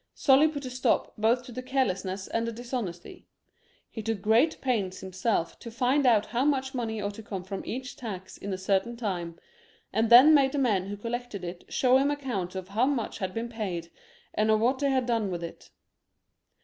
Sully put a stop both to the careless ness and the dishonesty. He took great pains himself to find out how much money ought to come from each tax in a certain time, and then made the men who collected it show him accounts of how much had come, and of what they had done with it.